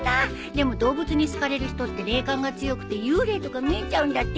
でも動物に好かれる人って霊感が強くて幽霊とか見えちゃうんだって。